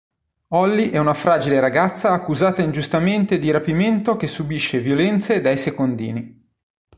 Holly è una fragile ragazza accusata ingiustamente di rapimento che subisce violenze dai secondini.